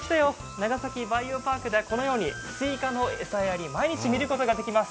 長崎バイオパークではこのようにスイカの餌やり、毎日見ることができます。